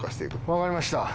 わかりました。